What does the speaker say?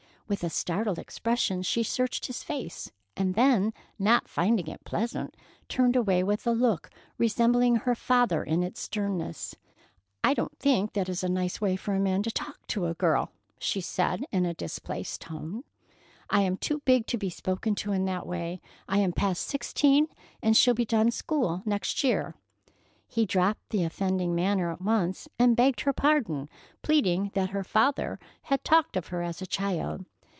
With a startled expression, she searched his face, and then, not finding it pleasant, turned away with a look resembling her father in its sternness. "I don't think that is a nice way for a man to talk to a girl," she said in a displeased tone. "I am too big to be spoken to in that way. I am past sixteen, and shall be done school next year." He dropped the offending manner at once, and begged her pardon, pleading that her father had talked of her as a child.